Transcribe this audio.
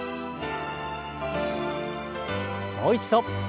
もう一度。